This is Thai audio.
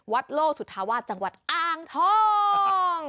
โลสุธาวาสจังหวัดอ่างทอง